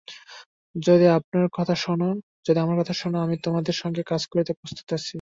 যদি তোমরা আমার কথা শোন, আমি তোমাদের সঙ্গে কাজ করিতে প্রস্তুত আছি।